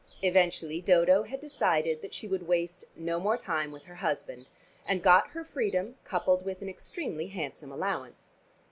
Eventually Dodo had decided that she would waste no more time with her husband and got her freedom coupled with an extremely handsome allowance.